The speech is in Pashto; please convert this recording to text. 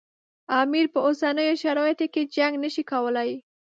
امیر په اوسنیو شرایطو کې جنګ نه شي کولای.